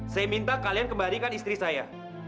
saya minta kalian kembalikan istri saya